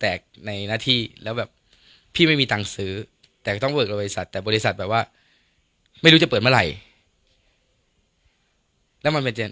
มันก็มีคนที่โอนเงินเชื้อตัวแต่ทีนี้กลายเป็นเมื่อเรื่องที่มีคนในโลกราศักดิ์สุด